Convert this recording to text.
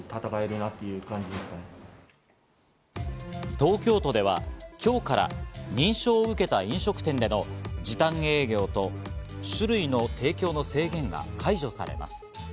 東京都では今日から認証を受けた飲食店での時短営業と酒類の提供の制限が解除されます。